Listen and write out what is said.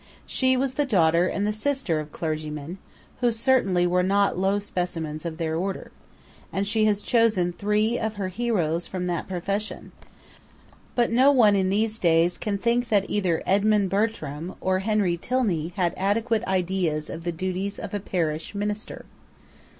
She was the daughter and the sister of clergymen, who certainly were not low specimens of their order: and she has chosen three of her heroes from that profession; but no one in these days can think that either Edmund Bertram or Henry Tilney had adequate ideas of the duties of a parish minister.